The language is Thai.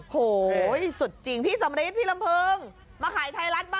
โอ้โหสุดจริงพี่สำลิดพี่ลำเพิงมาขายไทยรัสบ้างหน่อยแม่